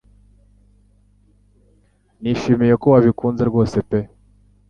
Nishimiye ko wabikunze rwose pe